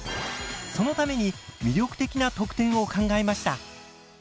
そのために魅力的な特典を考えました。